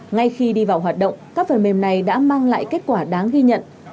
ngay khi đi vào hoạt động các phần mềm này đã mang lại kết quả đáng ghi nhận